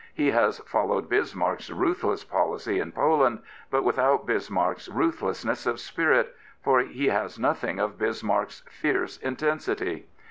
He has followed Bismarck's ruthless policy in Poland, but without Bismarck's ruthlessness of spirit, for he has nothing of Bismarck's fierce intensity.